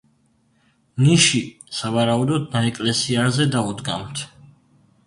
ნიში სავარაუდოდ ნაეკლესიარზე დაუდგამთ.